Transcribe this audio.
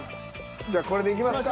じゃあこれでいきますか。